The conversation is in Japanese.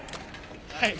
はい。